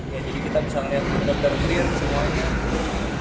ya jadi kita bisa melihat daripada kiri semuanya